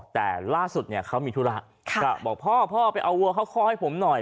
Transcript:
แต่ล่าสุดเนี่ยเขามีธุระบอกพ่อพ่อไปเอาวัวเข้าคอให้ผมหน่อย